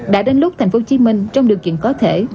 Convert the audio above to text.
đã đến lúc tp hcm trong điều kiện có thể